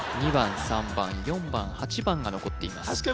２番３番４番８番が残っています